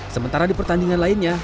sementara di pertandingan lainnya